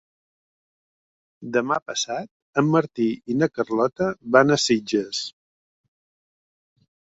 Demà passat en Martí i na Carlota van a Sitges.